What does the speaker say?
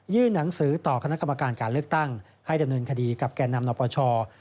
หนังสือต่อคณะกรรมการการเลือกตั้งให้ดำเนินคดีกับแก่นำนปช